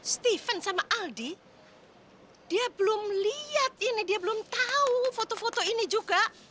stephen sama aldi dia belum lihat ini dia belum tahu foto foto ini juga